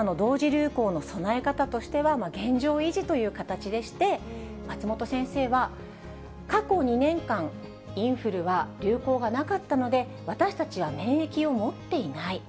流行の備え方としては、現状維持という形でして、松本先生は、過去２年間、インフルは流行がなかったので、私たちは免疫を持っていない。